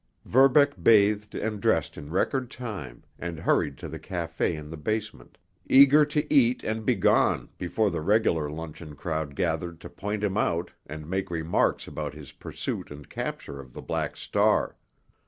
Verbeck bathed and dressed in record time, and hurried to the café in the basement, eager to eat and be gone before the regular luncheon crowd gathered to point him out and make remarks about his pursuit and capture of the Black Star.